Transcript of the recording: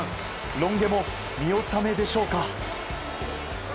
ロン毛も見納めでしょうか。